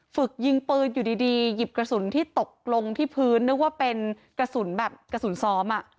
ฝึกยิงปืนอยู่ดีหยิบกระสุนที่ตกลงที่พื้นนึกว่าเป็นกระสุนแบบกระสุนซ้อมอ่ะ